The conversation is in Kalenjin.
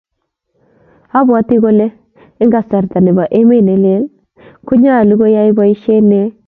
Abwati kole eng kasarta ni nebo emet ne lel ko nyalo koyae boiset ne